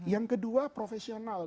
yang kedua profesional